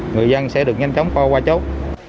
người dân sẽ được nhanh chóng qua chốt